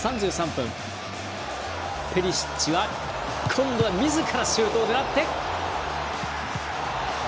３３分、ペリシッチは今度は、みずからシュートを狙って。